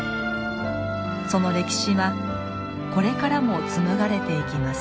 その歴史はこれからも紡がれていきます。